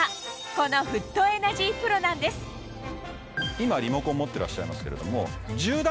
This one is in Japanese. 今リモコン持ってらっしゃいますけれども。